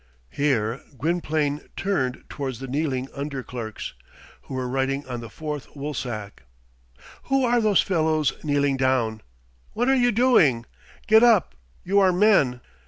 Here Gwynplaine turned towards the kneeling under clerks, who were writing on the fourth woolsack. "Who are those fellows kneeling down? What are you doing? Get up; you are men."